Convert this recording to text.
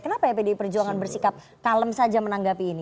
kenapa ya pdi perjuangan bersikap kalem saja menanggapi ini